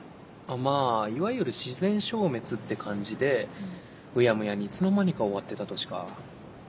まぁいわゆる自然消滅って感じでうやむやにいつの間にか終わってたとしか。